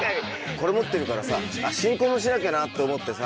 これ持ってるからさ進行もしなきゃなって思ってさ